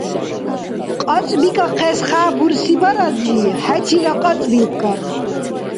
КьацӀбикӀахъес хя бурсибарадли, хӀечира кьацӀбилкан.